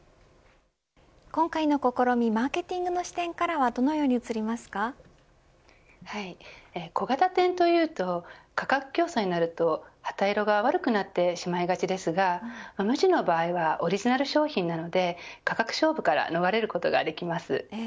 今回の試みマーケティングの視点からは小型店というと価格競争になると旗色が悪くなってしまいがちですが無印の場合はオリジナル商品なので価格勝負から逃れることができます。